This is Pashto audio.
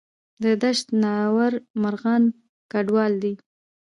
د دشت ناور مرغان کډوال دي